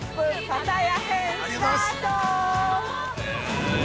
パタヤ編、スタート！